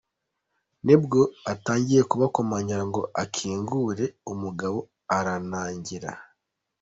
Nibwo atangiye kubakomangira ngo akingure, umugabo aranangira.